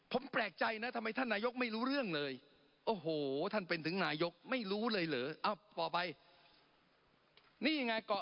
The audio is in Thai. ผมแปลกใจนะทำไมท่านนายกไม่รู้เรื่องเลย